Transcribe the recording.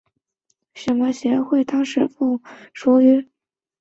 当时附属于美国圣塔安娜的国际青年协会。